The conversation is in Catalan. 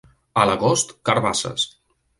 A l'agost, carabasses.